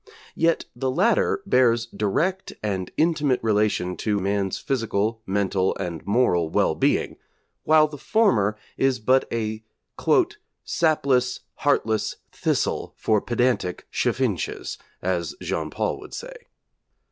Yet the latter bears direct and intimate relation to man's physical, mental, and moral well being, while the former is but a 'sapless, heartless thistle for pedantic chaffinches,' as Jean Paul would say.